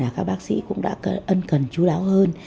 các bác sĩ cũng đã ân cần chú đáo hơn